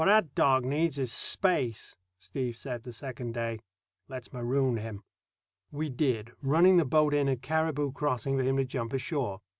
"What that dog needs is space," Steve said the second day. "Let's maroon him." We did, running the boat in at Caribou Crossing for him to jump ashore.